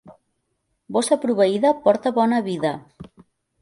Bossa proveïda porta bona vida.